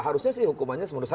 harusnya sih hukumannya semudah